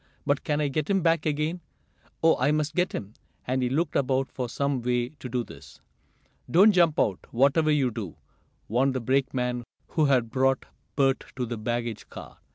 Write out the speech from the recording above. "But can I get him back again? Oh, I must get him!" and he looked about for some way to do this. "Don't jump out, whatever you do!" warned the brakeman who had brought Bert to the baggage car.